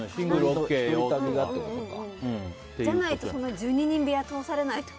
じゃないと１２人部屋通されないと思う。